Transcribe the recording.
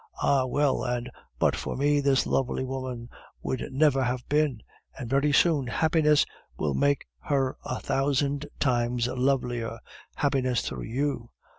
Ah, well, and but for me this lovely woman would never have been. And very soon happiness will make her a thousand times lovelier, happiness through you.